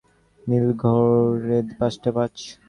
নীলু ঘড় িদেখল, পাঁচটা পাঁচ।